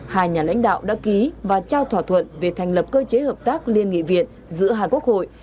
hai nhà lãnh đạo đã ký và trao thỏa thuận về thành lập cơ chế hợp tác liên nghị viện giữa hai quốc hội